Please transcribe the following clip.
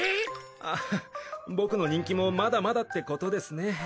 アハハ僕の人気もまだまだってことですね。